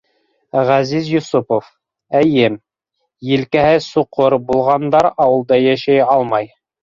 Ғәзиз Йосопов: Эйе, елкәһе соҡор булғандар ауылда йәшәй алмай.